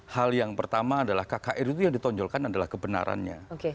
hal yang pertama adalah kkr itu yang ditonjolkan adalah kebenarannya